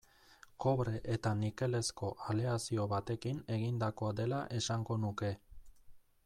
Kobre eta nikelezko aleazio batekin egindakoa dela esango nuke.